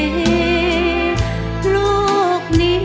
หัวใจเหมือนไฟร้อน